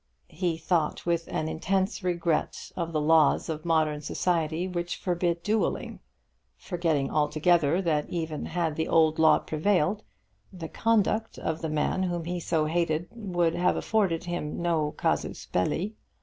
He thought with an intense regret of the laws of modern society which forbid duelling, forgetting altogether that even had the old law prevailed, the conduct of the man whom he so hated would have afforded him no casus belli.